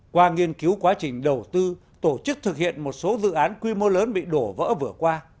qua nghiên cứu quá trình đầu tư tổ chức thực hiện một số dự án quy mô lớn bị đổ vỡ vừa qua